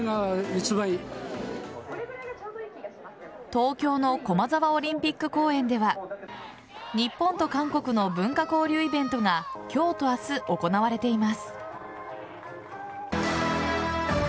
東京の駒沢オリンピック公園では日本と韓国の文化交流イベントが今日と明日、行われています。